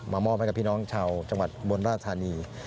มอบให้กับพี่น้องชาวจังหวัดบนราชธานี